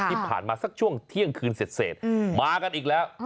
ที่ผ่านมาสักช่วงเที่ยงคืนเสร็จมากันอีกแล้ว